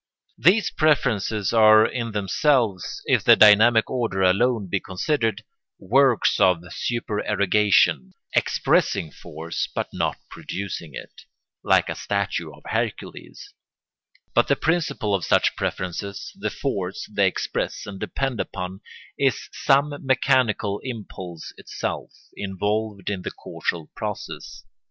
These preferences are in themselves, if the dynamic order alone be considered, works of supererogation, expressing force but not producing it, like a statue of Hercules; but the principle of such preferences, the force they express and depend upon, is some mechanical impulse itself involved in the causal process.